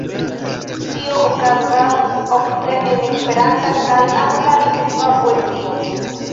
Tio okazas ofte en Esperanta kaj anglalingva poezio.